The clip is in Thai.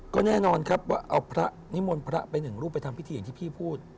ก็แน่นอนครับว่าเอาพระนิมนต์พระไปหนึ่งรูปไปทำพิธีอย่างที่พี่พูด